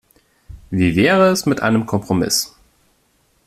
Wie wäre es mit einem Kompromiss?